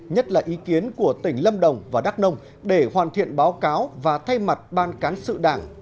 nhất là ý kiến của tỉnh lâm đồng và đắk nông để hoàn thiện báo cáo và thay mặt ban cán sự đảng